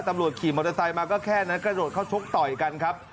ขี่มอเตอร์ไซค์มาก็แค่นั้นกระโดดเข้าชกต่อยกันครับ